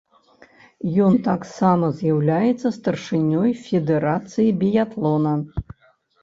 Ён таксама з'яўляецца старшынёй федэрацыі біятлона.